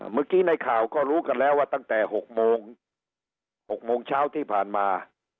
เมื่อกี้ในข่าวก็รู้กันแล้วว่าตั้งแต่๖โมง๖โมงเช้าที่ผ่านมา